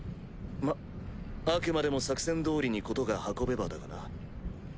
まぁあくまでも作戦通りに事が運べばだがな。